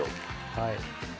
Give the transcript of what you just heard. はい。